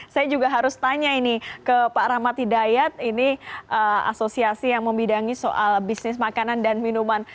saya juga harus tanya ini ke pak rahmat hidayat ini asosiasi yang membidangi soal bisnis makanan dan minuman